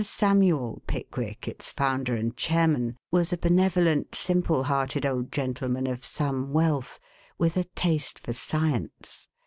Samuel Pickwick, its founder and chairman, was a benevolent, simple hearted old gentleman of some wealth, with a taste for science.